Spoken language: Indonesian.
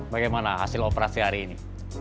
bagaimana hasil operasi hari ini